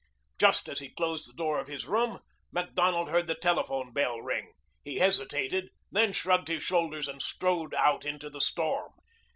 Just as he closed the door of his room, Macdonald heard the telephone bell ring. He hesitated, then shrugged his shoulders and strode out into the storm.